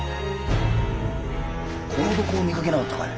この男見かけなかったかい？